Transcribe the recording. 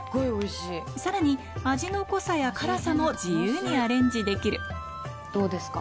さらに味の濃さや辛さも自由にアレンジできるどうですか？